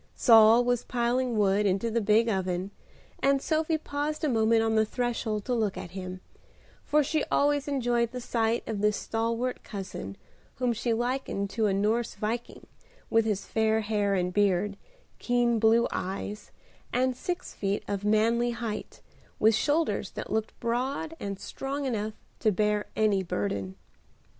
Saul was piling wood into the big oven, and Sophie paused a moment on the threshold to look at him, for she always enjoyed the sight of this stalwart cousin, whom she likened to a Norse viking, with his fair hair and beard, keen blue eyes, and six feet of manly height, with shoulders that looked broad and strong enough to bear any burden.